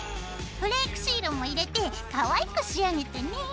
フレークシールも入れてかわいく仕上げてね。